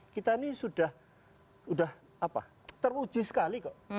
kita ini sudah teruji sekali kok